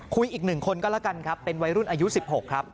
อีก๑คนก็แล้วกันครับเป็นวัยรุ่นอายุ๑๖ครับ